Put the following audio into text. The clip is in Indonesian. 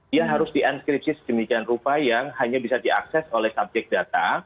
dia harus dianskripsi sedemikian rupa yang hanya bisa diakses oleh subjek data